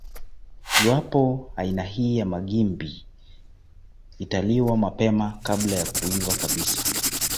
Iwapo aina hii ya magimbi italiwa mapema kabla ya kuiva kabisa